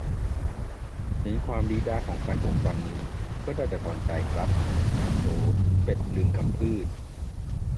เห็นความดี๊ด๊าของแฟนหงส์ตอนนี้ ก็ได้แต่ถอนหายใจครับ "โถ เป็ดลืมกำพืด"